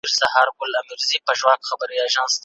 ورزش د عمومي روغتیا لپاره ګټور دی.